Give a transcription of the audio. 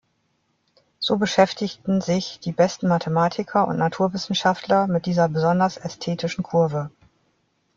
So beschäftigten sich die besten Mathematiker und Naturwissenschaftler mit dieser besonders ästhetischen Kurve.